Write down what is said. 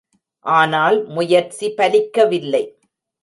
ஆனால் முயற்சி பலிக்கவில்லை.